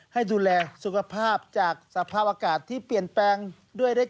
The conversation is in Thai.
ให้ดูแลสุขภาพจากสภาพอากาศที่เปลี่ยนแปลงด้วย